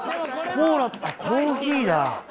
コーラあっコーヒーだ。